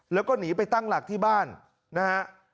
แล้วก็หนีไปตั้งหลักที่บ้านนะฮะ